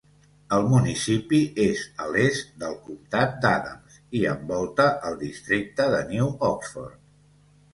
El municipi és a l'est del comtat d'Adams i envolta el districte de New Oxford.